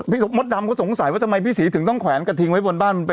มดดำก็สงสัยว่าทำไมพี่ศรีถึงต้องแขวนกระทิงไว้บนบ้าน